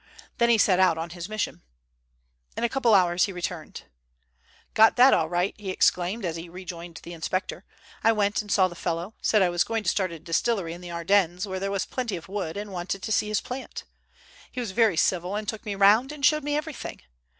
Then he set out on his mission. In a couple of hours he returned. "Got that all right," he exclaimed, as he rejoined the inspector. "I went and saw the fellow; said I was going to start a distillery in the Ardennes where there was plenty of wood, and wanted to see his plant. He was very civil, and took me round and showed me everything.